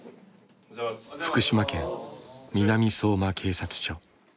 福島県南相馬警察署。